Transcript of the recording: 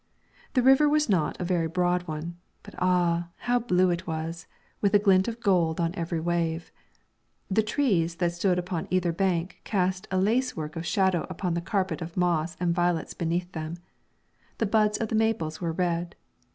The river was not a very broad one, but ah! how blue it was, with a glint of gold on every wave. The trees that stood upon either bank cast a lacework of shadow upon the carpet of moss and violets beneath them. The buds of the maples were red.